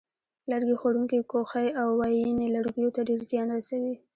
لرګي خوړونکې کوخۍ او وایینې لرګیو ته ډېر زیان رسوي.